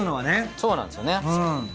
そうなんですよね。